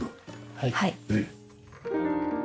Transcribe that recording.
はい。